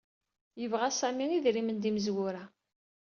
Yebɣa Sami idrimen d imezwura.